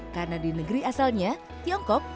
karena di negeri asalnya tiongkok